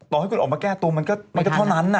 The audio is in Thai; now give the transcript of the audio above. ให้คุณออกมาแก้ตัวมันก็เท่านั้น